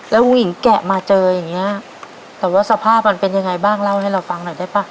แล้วผู้หญิงแกะมาเจออย่างเงี้ยแต่ว่าสภาพมันเป็นยังไงบ้างเล่าให้เราฟังหน่อยได้ป่ะ